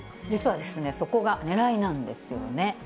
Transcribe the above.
実はそこがねらいなんですよね。